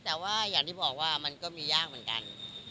แต่ว่าอย่างที่บอกว่ามันก็มียากเหมือนกัน